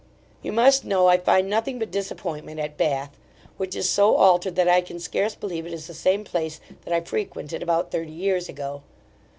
You must know, I find nothing but disappointment at Bath; which is so altered, that I can scarce believe it is the same place that I frequented about thirty years ago.